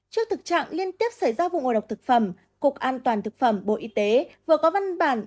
trước thực trạng liên tiếp xảy ra vụ ngộ độc thực phẩm cục an toàn thực phẩm bộ y tế vừa có văn bản